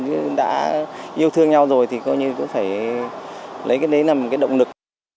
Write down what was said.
chứ đã yêu thương nhau rồi thì coi như cũng phải lấy cái đấy là một cái động lực